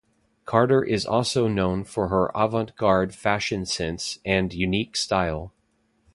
Carter is also known for her avant-garde fashion sense and unique style.